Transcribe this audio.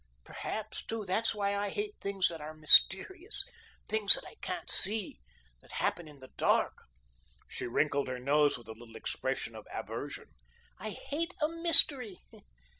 Perhaps, too, that's why I hate things that are mysterious things that I can't see, that happen in the dark." She wrinkled her nose with a little expression of aversion. "I hate a mystery.